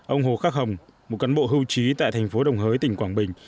ông hồ khắc hồng một cán bộ hưu trí tại thành phố đồng hới tỉnh quảng bình